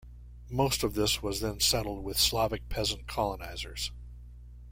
Most of this was then settled with Slavic peasant colonisers.